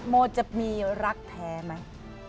มอเจอร์มีรักแท้มั้ย